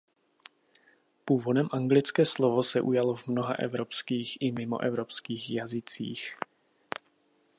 Původem anglické slovo se ujalo v mnoha evropských i mimoevropských jazycích.